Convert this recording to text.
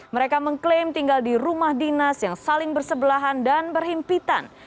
mereka mengklaim tinggal di rumah dinas yang saling bersebelahan dan berhimpitan